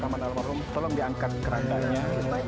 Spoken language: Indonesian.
nama almarhum tolong diangkat kerandanya